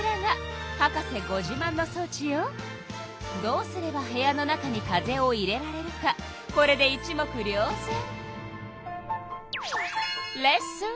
どうすれば部屋の中に風を入れられるかこれで一目りょうぜん。